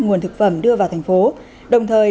nguồn thực phẩm đưa vào thành phố đồng thời